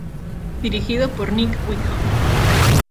Dirigido por Nick Wickham.